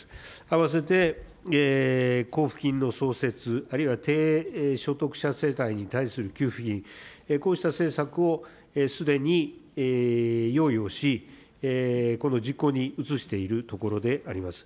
併せて、交付金の創設あるいは低所得者世帯に対する給付金、こうした政策をすでに用意をし、この実行に移しているところであります。